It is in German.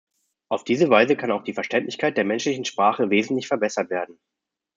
Auf diese Weise kann auch die Verständlichkeit der menschlichen Sprache wesentlich verbessert werden.